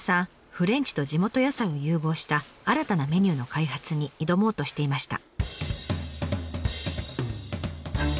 フレンチと地元野菜を融合した新たなメニューの開発に挑もうとしていました。